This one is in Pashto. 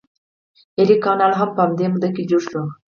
ایري کانال هم په همدې موده کې جوړ شو.